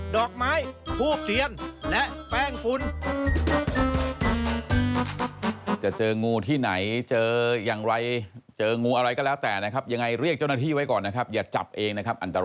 ดอกไม้ทูบเทียนและแป้งฝุ่น